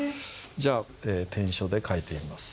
じゃあ篆書で書いてみます。